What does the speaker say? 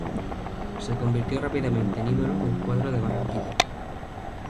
Se convirtió rápidamente en ídolo del cuadro de Barranquilla.